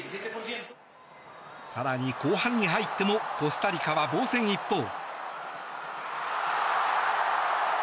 更に後半に入ってもコスタリカは防戦一方。